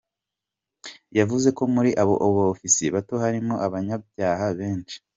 Yavuze ko muri ba ofisiye bato harimo abanyabyaha benshi.